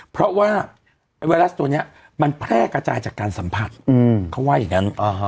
เพราะว่าไวรัสตัวนี้มันแพร่กระจายจากการสัมผัสเขาว่าอย่างนั้น